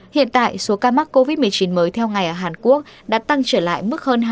hiện tại số ca mắc covid một mươi chín mới theo ngày ở hàn quốc đã tăng trở lại mức hơn hai mươi